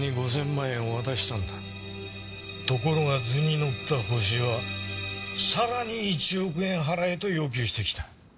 ところが図に乗ったホシはさらに１億円払えと要求してきた。